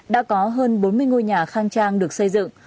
đã có hơn bốn mươi ngôi nhà khang trang được xây dựng